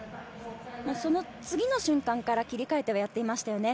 その次の瞬間から切り替えてやってましたよね。